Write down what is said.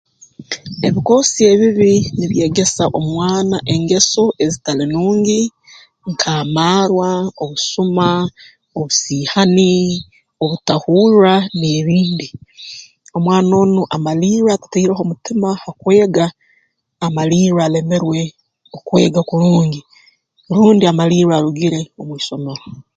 Ebikoosi ebibi nibyegesa omwana engeso ezitali nungi nk'amarwa obusuma obusiihani obutahurra n'ebindi omwana onu amalirra atataireho mutima ha kwega amalirra alemerwe okwega kurungi rundi amalirra arugire omu isomero